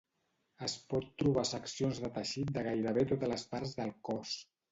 Es pot trobar a seccions de teixit de gairebé totes les parts del cos.